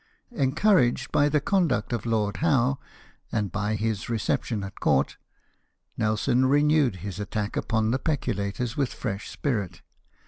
Encouraged by the conduct of Lord Howe, and by his reception at court, Nelson renewed his attack upon the peculators with fresh spirit.